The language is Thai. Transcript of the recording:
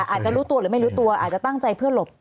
อาจจะรู้ตัวหรือไม่รู้ตัวอาจจะตั้งใจเพื่อหลบ